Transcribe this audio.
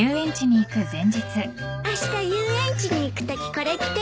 あした遊園地に行くときこれ着ていこうっと。